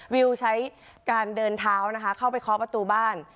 วิวใช้การเดินเท้านะคะเข้าไปเคาะประตูบ้าน